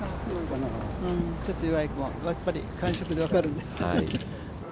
ちょっと弱い、やっぱり感触で分かるんですね。